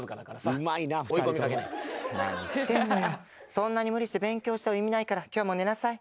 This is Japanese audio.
そんなに無理して勉強しても意味ないから今日はもう寝なさい。